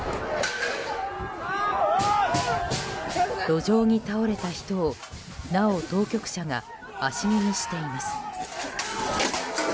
路上に倒れた人をなお当局者が足蹴にしています。